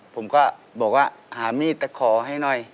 ผมก็บอกว่าหามีดตะขอให้หน่อย